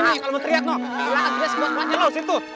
kalo mau teriak